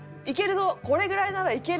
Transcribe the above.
これぐらいならいけるぞ！